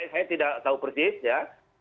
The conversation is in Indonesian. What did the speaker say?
saya tidak tahu persis ya